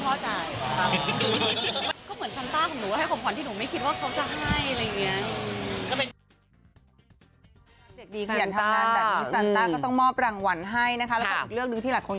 ผมก็ซื้อมาให้คุณแม่มาด้วยแต่น่าจะเป็นคุณพ่อจ่าย